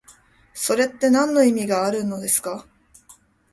それってなんの意味があるのですか？